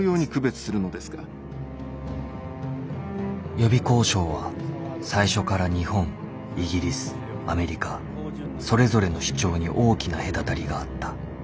予備交渉は最初から日本イギリスアメリカそれぞれの主張に大きな隔たりがあった。